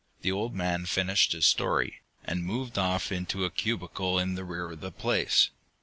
The old man finished his story, and moved off into a cubicle in the rear of the place.